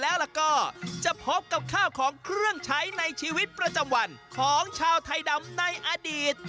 แล้วก็จะพบกับข้าวของเครื่องใช้ในชีวิตประจำวันของชาวไทยดำในอดีต